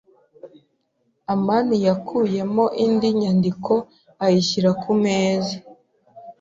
amani yakuyemo indi nyandiko ayishyira ku meza.